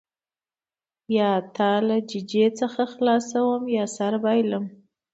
یا تا له ججې څخه خلاصوم یا سر بایلم.